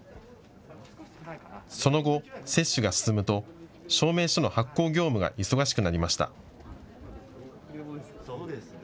その後、接種が進むと証明書の発行業務が忙しくなりました。